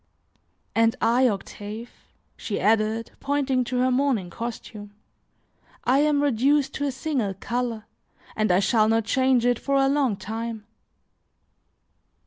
And I, Octave," she added, pointing to her mourning costume, "I am reduced to a single color, and I shall not change it for a long time."